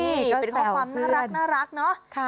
นี่เป็นข้อความน่ารักเนาะ